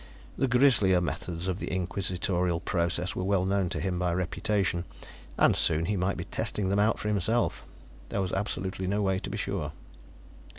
The grislier methods of the Inquisitorial process were well known to him by reputation, and soon he might be testing them out for himself. There was absolutely no way to be sure.